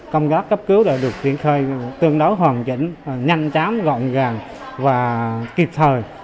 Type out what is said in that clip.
công gác cấp cứu đã được tiến khơi tương đối hoàn chỉnh nhanh chám gọn gàng và kịp thời